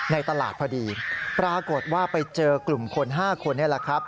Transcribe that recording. ในตลาดพอดีปรากฏว่าไปเจอกลุ่มคน๕คนนี่แหละครับ